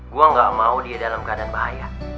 gue gak mau dia dalam keadaan bahaya